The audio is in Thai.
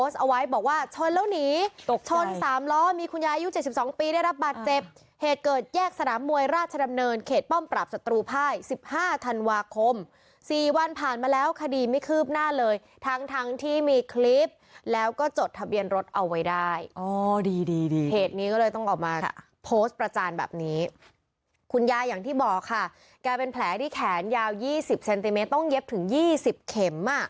ระบาดเจ็บเหตุเกิดแยกสนามวยราชดำเนินเขตป้อมปรับศัตรูภายสิบห้าธันวาคมสี่วันผ่านมาแล้วคดีไม่คืบหน้าเลยทั้งทั้งที่มีคลิปแล้วก็จดทะเบียนรถเอาไว้ได้อ๋อดีดีดีเพจนี้ก็เลยต้องออกมาค่ะโพสต์ประจานแบบนี้คุณยายอย่างที่บอกค่ะแกเป็นแผลดิแขนยาวยี่สิบเซนติเมตรต้องเย็บถึ